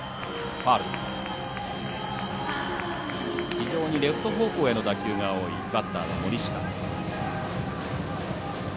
非常にレフト方向への打球が多いバッターの森下。